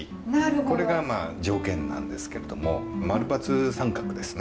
これがまあ条件なんですけれども○×△ですね。